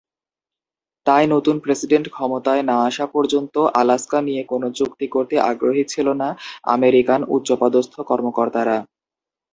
তাই নতুন প্রেসিডেন্ট ক্ষমতায় না আসা পর্যন্ত আলাস্কা নিয়ে কোন চুক্তি করতে আগ্রহী ছিল না আমেরিকান উচ্চপদস্থ কর্মকর্তারা।